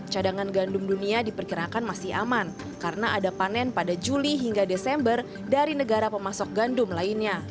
cadangan gandum dunia diperkirakan masih aman karena ada panen pada juli hingga desember dari negara pemasok gandum lainnya